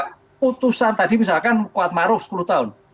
putusan tadi misalkan kuat maruf sepuluh tahun